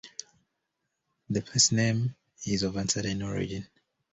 The placename is of uncertain origin.